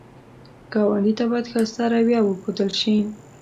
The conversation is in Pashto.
ګاونډي ته باید ښایسته رویه وښودل شي